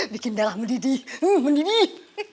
bikin darah mendidih mendidih